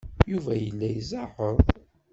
Yuba yella izeɛɛeḍ.